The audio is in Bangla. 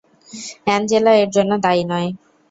অ্যাঞ্জেলা এর জন্য দায়ী নয়!